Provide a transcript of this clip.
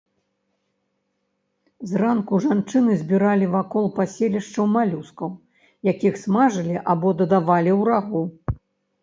Зранку жанчыны збіралі вакол паселішчаў малюскаў, якіх смажылі, або дадавалі ў рагу.